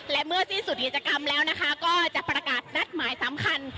และเมื่อสิ้นสุดกิจกรรมแล้วนะคะก็จะประกาศนัดหมายสำคัญ